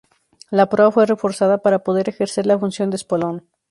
La proa fue reforzada para poder ejercer la función de espolón.